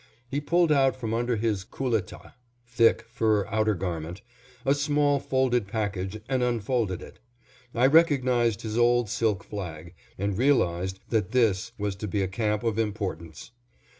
He pulled out from under his kooletah (thick, fur outer garment) a small folded package and unfolded it. I recognized his old silk flag, and realized that this was to be a camp of importance.